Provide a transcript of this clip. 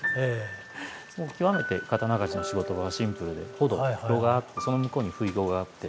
極めて刀鍛冶の仕事はシンプルで火床炉があってその向こうにふいごがあって。